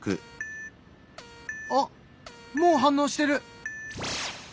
あっもう反応してる！